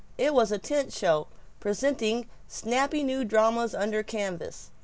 It was a "tent show, presenting snappy new dramas under canvas."